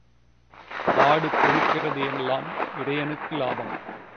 ஆடு கொழுக்கிறது எல்லாம் இடையனுக்கு லாபம்.